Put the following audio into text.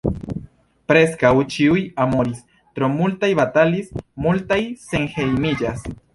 Preskaŭ ĉiuj amoris, tro multaj batalis, multaj senhejmiĝas.